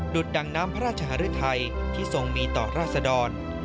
ดดังน้ำพระราชหารุทัยที่ทรงมีต่อราษดร